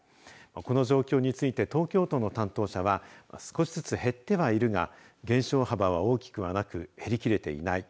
この状況について東京都の担当者は少しずつ減ってはいるが減少幅は大きくはなく減りきれていない。